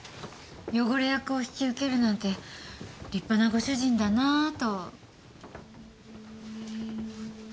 汚れ役を引き受けるなんて立派なご主人だなと。